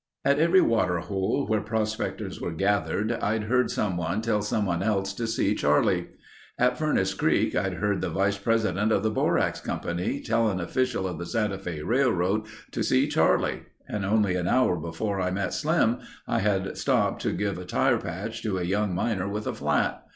At every water hole where prospectors were gathered I'd heard someone tell someone else to see Charlie. At Furnace Creek I'd heard the vice president of the Borax Company tell an official of the Santa Fe railroad to see Charlie and only an hour before I met Slim I had stopped to give a tire patch to a young miner with a flat.